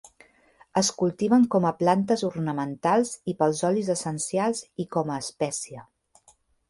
Es cultiven com a plantes ornamentals, i pels olis essencials i com a espècia.